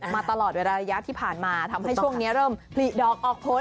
มาตลอดเวลาระยะที่ผ่านมาทำให้ช่วงนี้เริ่มผลิดอกออกผล